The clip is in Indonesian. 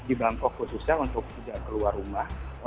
di bangkok khususnya untuk tidak keluar rumah